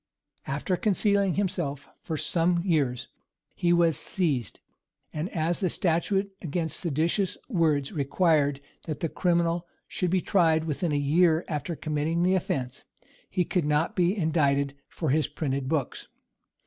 After concealing himself for some years, he was seized; and as the statute against seditious words required that the criminal should be tried within a year after committing the offence, he could not be indicted for his printed books.